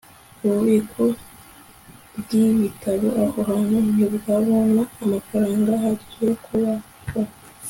ububiko bwibitabo aho hantu ntibwabona amafaranga ahagije yo kubaho